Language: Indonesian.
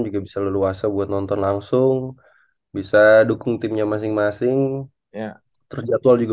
juga bisa leluasa buat nonton langsung bisa dukung timnya masing masing terus jadwal juga